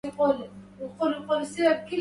مرحبا بالصبوح في الظلماء